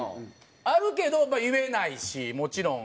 あるけど言えないしもちろん。